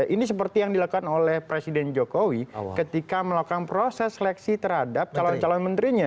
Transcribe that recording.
ini seperti yang dilakukan oleh presiden jokowi ketika melakukan proses seleksi terhadap calon calon menterinya